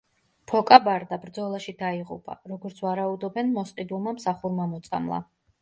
ფოკა ბარდა ბრძოლაში დაიღუპა, როგორც ვარაუდობენ, მოსყიდულმა მსახურმა მოწამლა.